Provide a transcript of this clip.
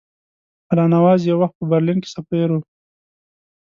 الله نواز یو وخت په برلین کې سفیر وو.